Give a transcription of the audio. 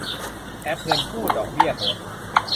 แอปเงินกู้ ดอกเบี้ยโหด